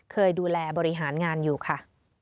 เคยดูแลบริหารงานอยู่ค่ะ